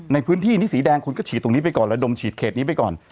ในพื้นที่นี่สีแดงคุณก็ฉีดตรงนี้ไปก่อนระดมฉีดเขตนี้ไปก่อน